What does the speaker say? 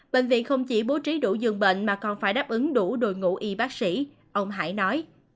bệnh viện không chỉ bố trí đủ dường bệnh mà còn phải đáp ứng đủ đội ngũ y bác sĩ ông hải nói